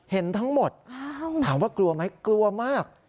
เห็นทั้งหมดถามว่ากลัวไหมกลัวมาก